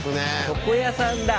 床屋さんだ。